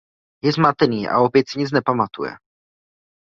Je zmatený a opět si nic nepamatuje.